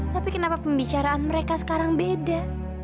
tapi kenapa pembicaraan mereka sekarang beda